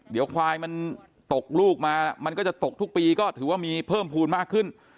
เดี๋ยวควายมันตกลูกมามันก็จะตกทุกปีก็ถือว่ามีเพิ่มภูมิมากขึ้น